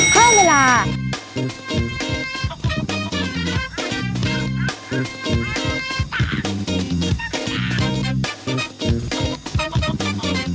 สวัสดีค่ะ